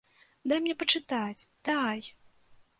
Дай мне пачытаць, дай!